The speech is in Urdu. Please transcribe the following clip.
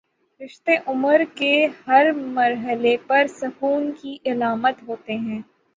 رشتے عمر کے ہر مر حلے پر سکون کی علامت ہوتے ہیں۔